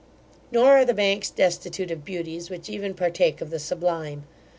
Nor are the banks destitute of beauties, which even partake of the sublime.